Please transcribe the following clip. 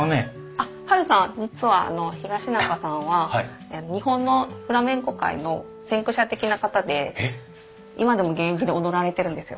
あっハルさん実は東仲さんは日本のフラメンコ界の先駆者的な方で今でも現役で踊られてるんですよ。